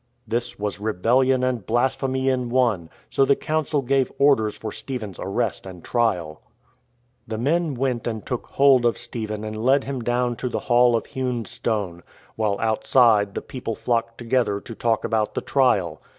This was rebellion and blasphemy in one, so the Council gave orders for Stephen's arrest and trial. The men went and took hold of Stephen and led him down to the Hall of Hewn Stone, while, outside, the people flocked together to talk about the trial.